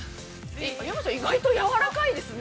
山ちゃん、意外とやわらかいですね。